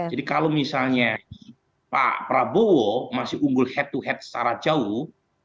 jadi kalau misalnya pak prabowo masih unggul head to head secara jauh